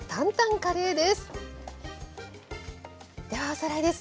ではおさらいです。